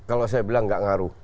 kalau saya bilang tidak mengaruh